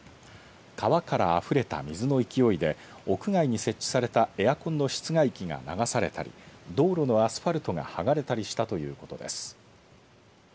川からあふれた水の勢いで屋外に設置されたエアコンの室外機が流されたり道路のアスファルトがはがれたりしたということです。